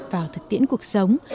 và thực tiễn cuộc sống